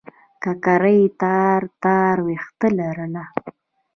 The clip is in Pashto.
ککرۍ تار تار وېښته لرله.